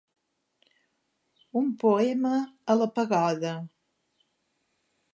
Un poema a la pagoda.